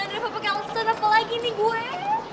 mau nandri apa apa kelesan apa lagi nih gue